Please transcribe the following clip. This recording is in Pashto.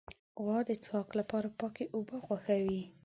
غوا د څښاک لپاره پاکې اوبه خوښوي.